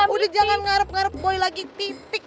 udah gak mimpi